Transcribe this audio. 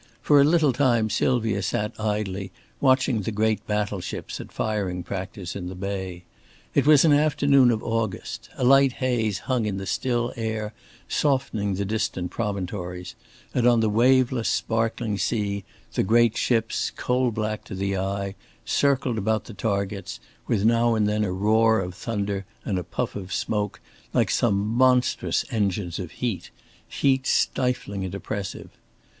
For a little time Sylvia sat idly watching the great battle ships at firing practice in the Bay. It was an afternoon of August; a light haze hung in the still air softening the distant promontories; and on the waveless sparkling sea the great ships, coal black to the eye, circled about the targets, with now and then a roar of thunder and a puff of smoke, like some monstrous engines of heat heat stifling and oppressive.